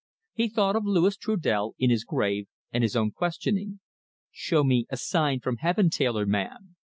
He thought of Louis Trudel, in his grave, and his own questioning: "Show me a sign from Heaven, tailorman!"